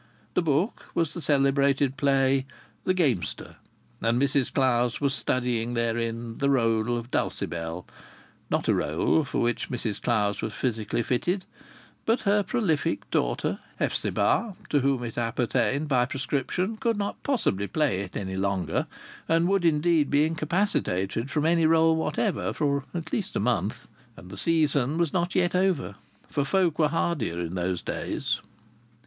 The book was the celebrated play, The Gamester, and Mrs Clowes was studying therein the rôle of Dulcibel. Not a rôle for which Mrs Clowes was physically fitted; but her prolific daughter, Hephzibah, to whom it appertained by prescription, could not possibly play it any longer, and would, indeed, be incapacitated from any rôle whatever for at least a month. And the season was not yet over; for folk were hardier in those days.